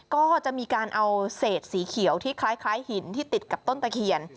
ก็จะมีการเอาเศษสีเขียวที่คล้ายหินที่ติดกับต้นตะเคียน